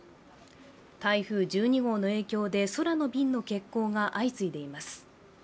台風１２号の影響で空の便の欠航が相次いでいます。